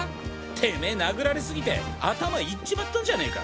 テメェ殴られ過ぎて頭いっちまったんじゃねか？